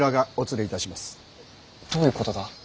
どういうことだ。